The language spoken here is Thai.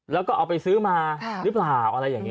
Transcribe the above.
แล้วก็เอาไปซื้อมาหรือเปล่าอะไรอย่างนี้